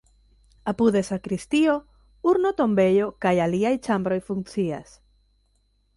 Apude sakristio, urno-tombejo kaj aliaj ĉambroj funkcias.